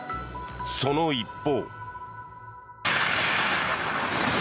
その一方。